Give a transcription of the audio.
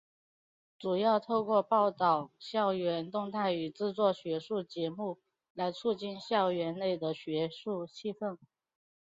主要透过报导校园动态与制作学术节目来促进校园内的学术气氛。